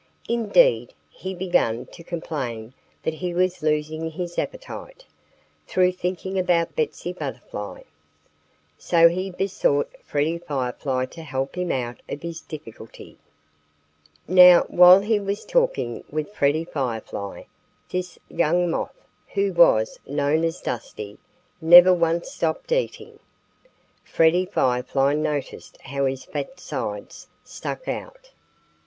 Indeed, he began to complain that he was losing his appetite, through thinking about Betsy Butterfly. So he besought Freddie Firefly to help him out of his difficulty. Now, while he was talking with Freddie Firefly, this young Moth, who was known as Dusty, never once stopped eating. Freddie Firefly noticed how his fat sides stuck out.